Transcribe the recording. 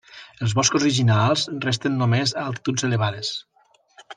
Els boscos originals resten només a altituds elevades.